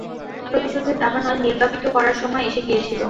প্রতিশোধের দাবানল নির্বাপিত করার সময় এসে গিয়েছিল।